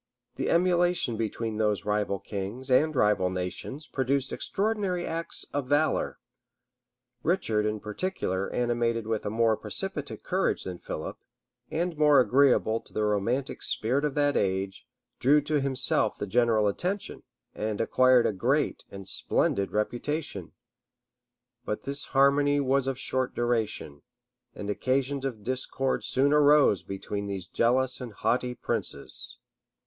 The emulation between those rival kings and rival nations produced extraordinary acts of valor: Richard, in particular animated with a more precipitate courage than Philip, and more agreeable to the romantic spirit of that age, drew to himself the general attention, and acquired a great and splendid reputation. But this harmony was of short duration, and occasions of discord soon arose between these jealous and haughty princes.